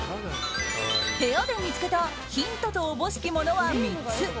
部屋で見つけたヒントと思しきものは３つ。